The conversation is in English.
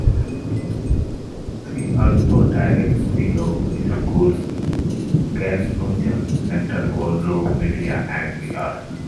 She also directs the law school's Kernochan Center For Law, Media and the Arts.